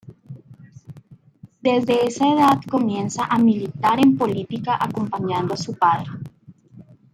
Desde esa edad comienza a militar en política acompañando a su padre.